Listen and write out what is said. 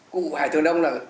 cụ hải thường đông là